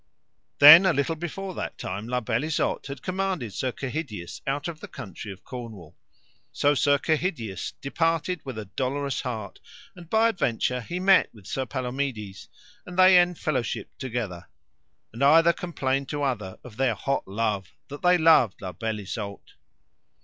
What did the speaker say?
Then a little before that time La Beale Isoud had commanded Sir Kehydius out of the country of Cornwall. So Sir Kehydius departed with a dolorous heart, and by adventure he met with Sir Palomides, and they enfellowshipped together; and either complained to other of their hot love that they loved La Beale Isoud.